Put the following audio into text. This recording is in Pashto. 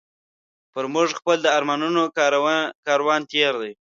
پر موږ خپل د ارمانونو کاروان تېر دی